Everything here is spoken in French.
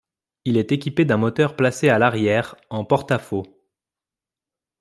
Il est équipé un moteur placé à l'arrière, en porte-à-faux.